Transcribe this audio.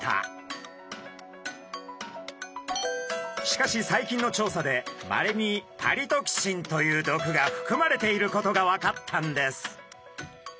しかし最近の調査でまれにパリトキシンという毒がふくまれていることが分かったんです。